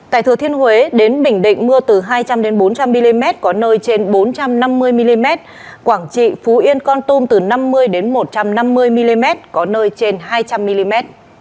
tại thừa thiên huế đến bình định mưa từ hai trăm linh bốn trăm linh mm có nơi trên bốn trăm năm mươi mm quảng trị phú yên con tum từ năm mươi một trăm năm mươi mm có nơi trên hai trăm linh mm